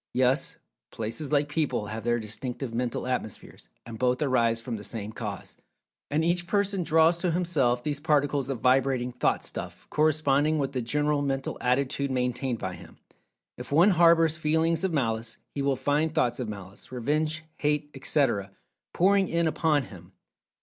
Yes, places like people, have their distinctive Mental Atmospheres, and both arise from the same cause. And each person draws to himself these particles of vibrating "Thought stuff" corresponding with the general mental attitude maintained by him. If one harbors feelings of Malice, he will find thoughts of malice, revenge, hate, etc., pouring in upon him.